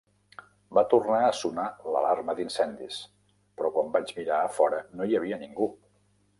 Va tornar a sonar l'alarma d'incendis, però quan vaig mirar a fora no hi havia ningú.